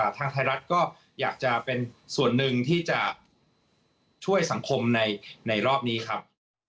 ทางไทยรัฐก็อยากจะเป็นส่วนหนึ่งที่จะช่วยสังคมในรอบนี้ครับ